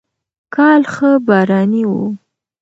کال ښه باراني و.